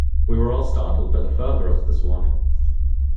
We were all startled by the fervour of this warning.